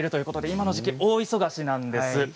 今の時期、大忙しなんです。